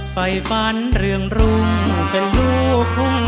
ไฟฟันเรืองรุ่งเป็นลูกทุ่ง